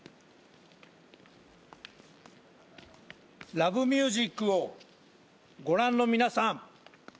『Ｌｏｖｅｍｕｓｉｃ』をご覧の皆さん。